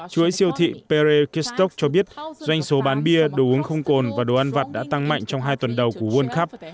chú ấy siêu thị pere kistok cho biết doanh số bán bia đồ uống không cồn và đồ ăn vặt đã tăng mạnh trong hai tuần đầu của world cup